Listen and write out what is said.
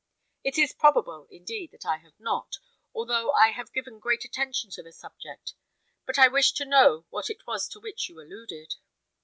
It is probable, indeed, that I have not, although I have given great attention to the subject; but I wish to know what it was to which you alluded."